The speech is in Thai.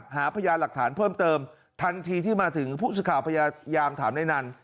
หาพยานหลักฐานเพิ่มเติมทันทีที่มาถึงผู้สื่อข่าวพยายามถามนายนัน